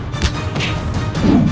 aku akan terus memburumu